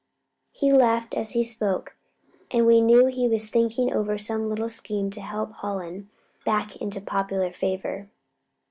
He laughed as he spoke, and we knew that he was thinking over some little scheme to help Hallen back into popular favor.